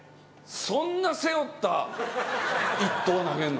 そんな背負った一投、投げるの？